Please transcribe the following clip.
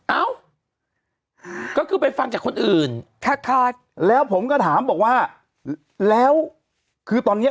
เอ้าก็คือไปฟังจากคนอื่นถัดถัดแล้วผมก็ถามบอกว่าแล้วคือตอนเนี้ย